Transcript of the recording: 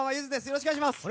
よろしくお願いします。